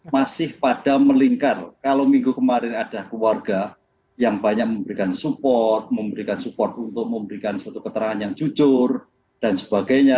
masih pada melingkar kalau minggu kemarin ada keluarga yang banyak memberikan support memberikan support untuk memberikan suatu keterangan yang jujur dan sebagainya